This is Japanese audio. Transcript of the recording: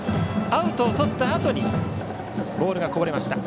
アウトをとったあとにボールがこぼれました。